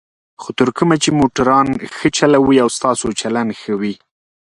خو تر کومه چې موټران ښه چلوئ او ستاسو چلند ښه وي.